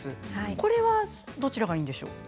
これはどちらがいいんでしょうか。